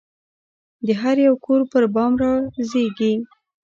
د هریو کور پربام رازیږې